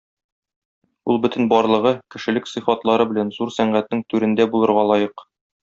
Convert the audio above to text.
Ул бөтен барлыгы, кешелек сыйфатлары белән зур сәнгатьнең түрендә булырга лаек.